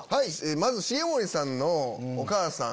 まず重盛さんのお母さん。